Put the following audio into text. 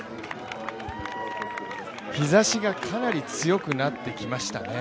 日ざしがかなり強くなってきましたね。